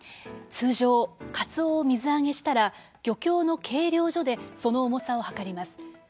通常、カツオを水揚げしたら漁協の計量所でその重さを量ります。